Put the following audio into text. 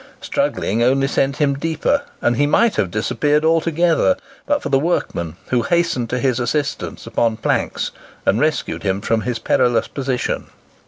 Struggling only sent him the deeper, and he might have disappeared altogether, but for the workmen, who hastened to his assistance upon planks, and rescued him from his perilous position.